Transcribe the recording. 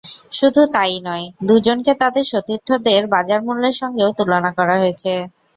শুধু তা–ই নয়, দুজনকে তাঁদের সতীর্থদের বাজারমূল্যের সঙ্গেও তুলনা করা হয়েছে।